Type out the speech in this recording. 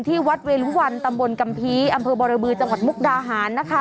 ที่วัดเวรุวันตำบลกัมภีร์อำเภอบรบือจังหวัดมุกดาหารนะคะ